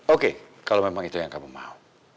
oke kalau memang itu yang kamu mau